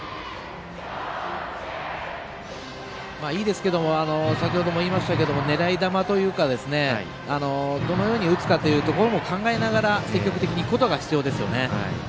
いいですけども先程も言いましたけども狙い球というかどのように打つかも考えながら積極的にいくことが重要ですよね。